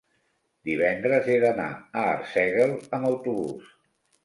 divendres he d'anar a Arsèguel amb autobús.